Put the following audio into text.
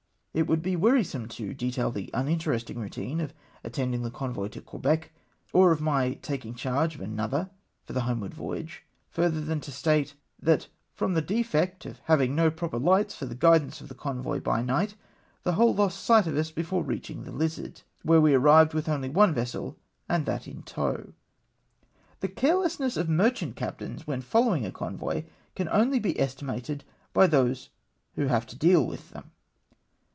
It would be wearisome to detail the uninteresting routine of attending the convoy to Quebec, or of my taking charge of another for the homeward voyage ; further than to state, that from the defect of haviuG; no CLAMOUR OP SIIirOWNERS. 185 proper lights for tlie guidance of tlie convoy by night, the whole lost sight of us before reaching the Lizard ; where we arrived with only one vessel, and that in tow. The carelessness of merchant captains when follow ing a convoy can only be estimated by those who have to deal with them.